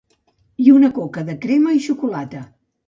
I una coca de crema i xocolata